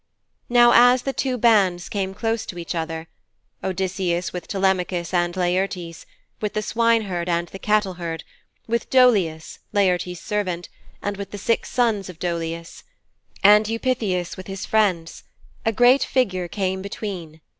Now as the two bands came close to each other Odysseus with Telemachus and Laertes; with the swineherd and the cattleherd; with Dolius, Laertes' servant, and with the six sons of Dolius and Eupeithes with his friends a great figure came between.